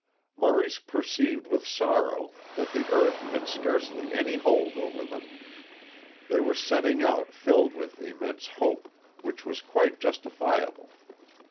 Maurice perceived with sorrow that the earth had scarcely any hold over them. They were setting out filled with immense hope, which was quite justifiable.